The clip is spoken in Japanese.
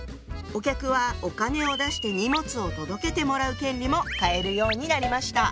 お客はお金を出して荷物を届けてもらう権利も買えるようになりました。